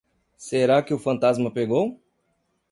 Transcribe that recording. Será que o fantasma pegou?